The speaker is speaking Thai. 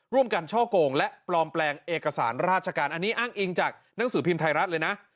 ร่วมกันช่อกงและปลอมแปลงเอกสารราชการอันนี้อ้างอิงจากหนังสือพิมพ์ไทยรัฐเลยนะ